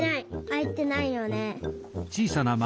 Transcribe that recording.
あいてないよね。